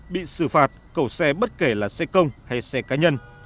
bị xử phạt cẩu xe bất kể là xe công hay xe cá nhân